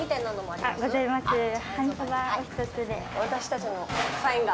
私たちのサインが。